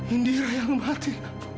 indira yang mati